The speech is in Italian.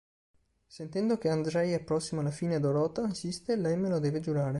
Sentendo che Andrzej è prossimo alla fine Dorota insiste "Lei me lo deve giurare".